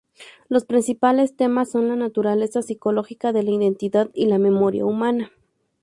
Los principales temas son la naturaleza psicológica de la identidad y la memoria humana.